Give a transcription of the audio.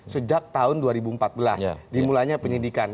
sejak tahun dua ribu empat belas dimulainya penyidikan